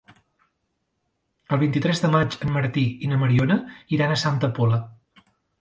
El vint-i-tres de maig en Martí i na Mariona iran a Santa Pola.